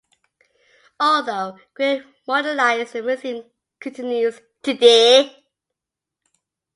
Although greatly modernized, the museum continues today.